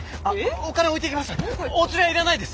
お金置いていきます。